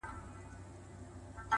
د سرو شرابو د خُمونو د غوغا لوري؛